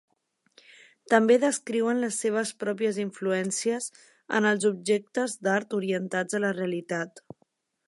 També descriuen les seves pròpies influències en els objectes d'art orientats a la realitat.